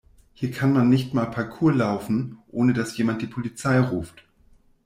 Hier kann man nicht mal Parkour laufen, ohne dass jemand die Polizei ruft.